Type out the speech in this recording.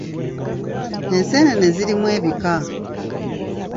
Enseenene zirimu ebika.